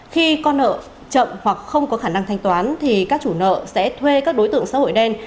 khi con nợ chậm hoặc không có khả năng thanh toán thì các chủ nợ sẽ thuê các đối tượng xã hội đen